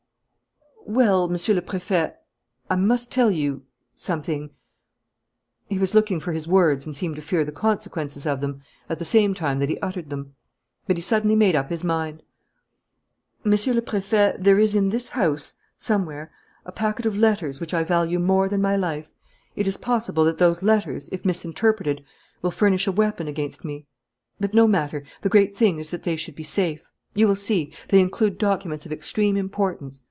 "Well, Monsieur le Préfet, I must tell you something " He was looking for his words and seemed to fear the consequences of them at the same time that he uttered them. But he suddenly made up his mind. "Monsieur le Préfet, there is in this house somewhere a packet of letters which I value more than my life. It is possible that those letters, if misinterpreted, will furnish a weapon against me; but no matter. The great thing is that they should be safe. You will see. They include documents of extreme importance.